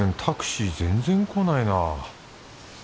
タクシー全然来ないな。